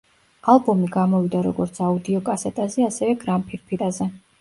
ალბომი გამოვიდა როგორც აუდიო კასეტაზე, ასევე გრამფირფიტაზე.